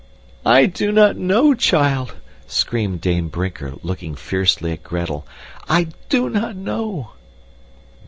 "I do not know, child," screamed Dame Brinker, looking fiercely at Gretel. "I do not know."